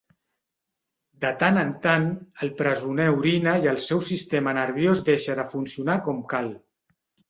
De tant en tant, el presoner orina i el seu sistema nerviós deixa de funcionar com cal.